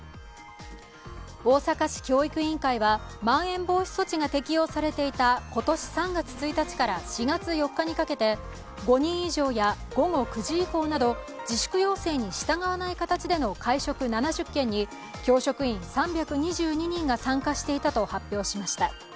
大阪市教育委員会はまん延措置が実施されていた今年３月１日から４月４日かけて５人以上や午後９時以降など自粛要請に従わない形での会食７０件に教職員３２２人が参加していたと発表しました。